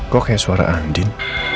kok kayak suara andin